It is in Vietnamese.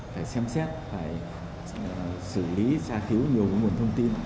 phải xem xét phải xử lý xa khíu nhiều nguồn thông tin